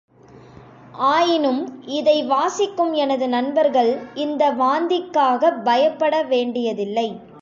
ஆயினும் இதை வாசிக்கும் எனது நண்பர்கள், இந்த வாந்திக்காகப் பயப்பட வேண்டியதில்லை.